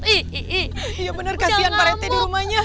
iya bener kasihan pak rt di rumahnya